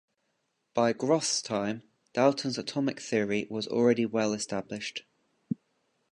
By Groth's time, Dalton's atomic theory was already well established.